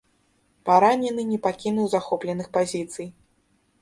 Паранены не пакінуў захопленых пазіцый.